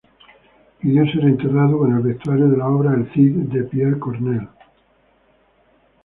Pidió ser enterrado con el vestuario de la obra "El Cid" de Pierre Corneille.